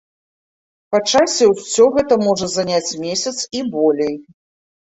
Па часе ўсё гэта можа заняць месяц і болей.